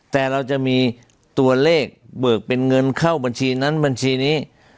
แต่เราจะมีตัวเลขเบิกเป็นเงินเข้าบัญชีนั้นบัญชีนี้